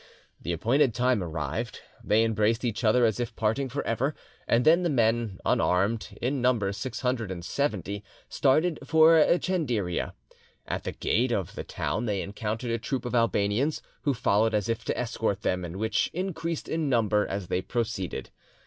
The appointed time arrived, they embraced each other as if parting for ever, and then the men, unarmed, in number six hundred and seventy, started for Chenderia. At the gate of the town they encountered a troop of Albanians, who followed as if to escort them, and which increased in number as they proceeded.